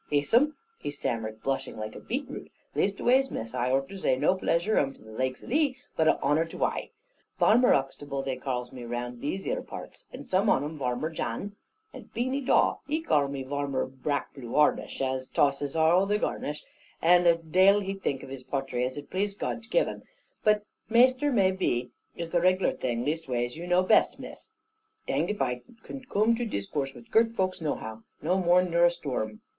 "Ees 'um," he stammered, blushing like a beet root, "leastways Miss, I ort to zay, no plasure 'um to the laikes of thee, but a honour to ai. Varmer Uxtable they karls me round about these 'ere parts, and some on 'em Varmer Jan, and Beany Dawe, he karl me 'Varmer Brak plew harnish, as tosses arl they Garnish,' and a dale he think of his potry as it please God to give 'un: but Maister, may be, is the riglar thing, leastways you knows best, Miss." "Danged if I can coom to discourse with girt folks nohow, no more nor a sto un."